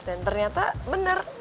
dan ternyata bener